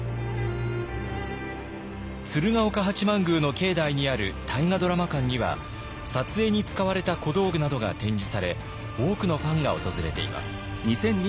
鶴岡八幡宮の境内にある大河ドラマ館には撮影に使われた小道具などが展示され多くのファンが訪れています。